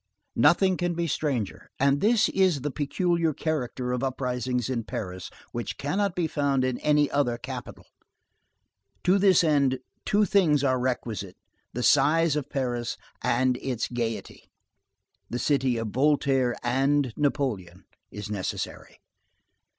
Nothing can be stranger; and this is the peculiar character of uprisings in Paris, which cannot be found in any other capital. To this end, two things are requisite, the size of Paris and its gayety. The city of Voltaire and Napoleon is necessary.